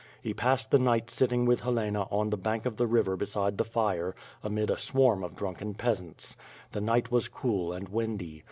He passed the night sitting with Helena on the bank of the river hei=ide the fire, amid a swarm of drunken peasants. The night was cool and windy.